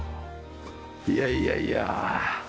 いやいやいや。